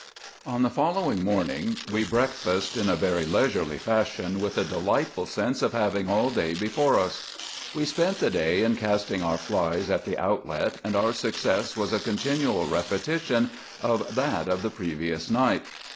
On the following morning we breakfasted in a very leisurely fashion, with a delightful sense of having all day before us. We spent the day in casting our flies at the outlet, and our success was a continual repetition of that of the previous night.